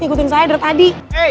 ngikutin saya dari tadi